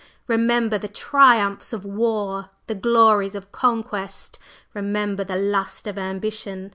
Remember the triumphs of war! the glories of conquest! Remember the lust of ambition!